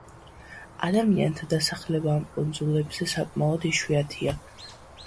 ადამიანთა დასახლება ამ კუნძულებზე საკმაოდ იშვიათია.